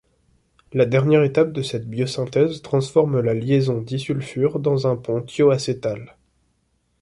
La dernière étape de cette biosynthèse transforme la liaison disulfure dans un pont thioacétal.